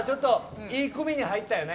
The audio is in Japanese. いい組に入ったよね。